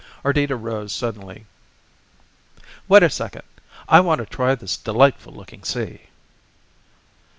Ardita rose suddenly. "Wait a second. I want to try this delightful looking sea."